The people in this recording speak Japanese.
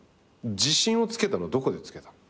自信をつけたのはどこでつけたの？